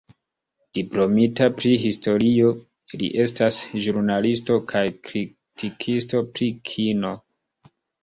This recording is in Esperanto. Diplomita pri historio, li estas ĵurnalisto kaj kritikisto pri kino.